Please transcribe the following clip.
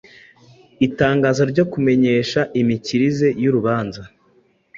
itangazo ryo kumenyesha imikirize y’urubanza